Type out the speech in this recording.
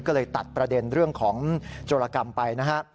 ก็เลยตัดประเด็นเรื่องของโจรกรรมไปนะฮะ